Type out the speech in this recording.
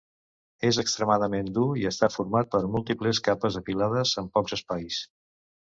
És extremament dur, i està format de múltiples capes apilades amb pocs espais.